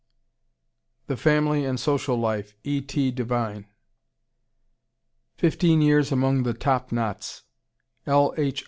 The Family and Social Life, E. T. Devine. Fifteen Years Among the Top Knots, L. H.